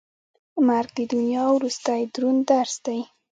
مرګ د دنیا وروستی دروند درس دی.